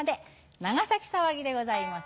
『長崎さわぎ』でございます。